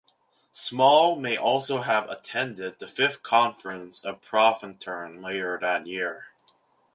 Small may also have attended the fifth conference of Profintern later that year.